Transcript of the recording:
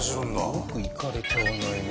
よくいかれちゃわないね。